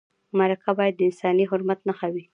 مرکه باید د انساني حرمت نښه وي.